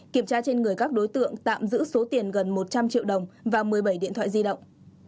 kiểm tra trên người các đối tượng tạm giữ số tiền gần một trăm linh triệu đồng và một mươi bảy điện thoại di động